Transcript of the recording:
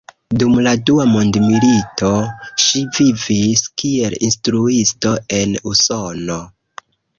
Dum la Dua Mondmilito ŝi vivis kiel instruisto en Usono.